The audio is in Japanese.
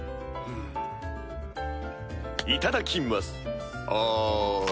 いただきます。